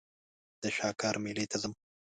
د شاکار مېلې ته ځم.